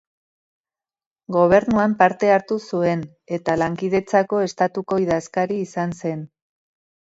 Gobernuan parte hartu zuen, eta Lankidetzako Estatuko idazkari izan zen.